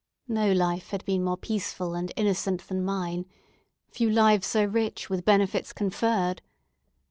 No life had been more peaceful and innocent than mine; few lives so rich with benefits conferred.